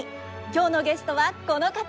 今日のゲストはこの方です。